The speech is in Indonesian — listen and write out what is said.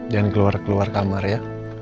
jangan keluar keluar kamar ya